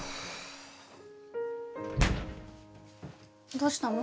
どうしたの？